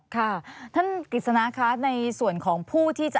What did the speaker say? ค่ะท่านกฤษณะคะในส่วนของผู้ที่จะ